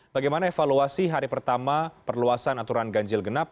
bagaimana evaluasi hari pertama perluasan aturan ganjil genap